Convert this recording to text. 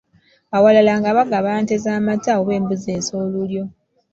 Awalala nga bagaba nte z’amata oba embuzi ez'olulyo.